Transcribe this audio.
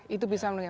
itu bisa menurutnya